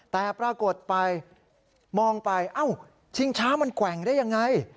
แต่ปรากฏไปมองไปเอ้าชิงช้ามันแกว่งได้ยังไง